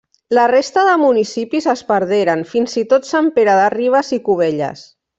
La resta de municipis en perderen, fins i tot Sant Pere de Ribes i Cubelles.